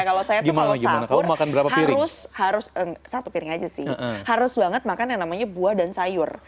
kalau saya tuh kalau sahur harus satu piring aja sih harus banget makan yang namanya buah dan sayur